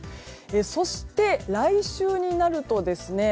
そして、来週になるとですね